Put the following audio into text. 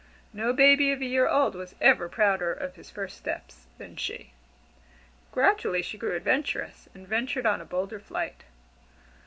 No baby of a year old was ever prouder of his first steps than she. Gradually she grew adventurous, and ventured on a bolder flight.